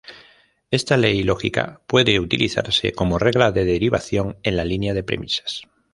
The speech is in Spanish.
Esta ley lógica puede utilizarse como regla de derivación en la línea de premisas.